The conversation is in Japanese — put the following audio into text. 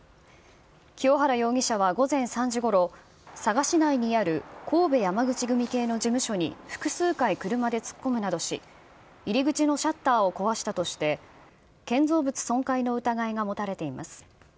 清原容疑者は午前３時ごろ、佐賀市内にある神戸山口組系の事務所に複数回車で突っ込むなどし、入り口のシャッターを壊したとして、建造物損壊の疑いが持たれています。